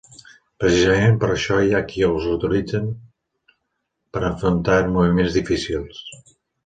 Precisament per això hi ha qui els utilitzen per a enfrontar moments difícils.